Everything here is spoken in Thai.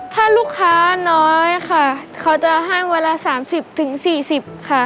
ถ้าลูกค้าน้อยค่ะเขาจะให้วันละ๓๐๔๐ค่ะ